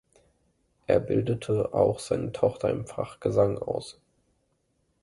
Er bildete auch seine Tochter im Fach Gesang aus.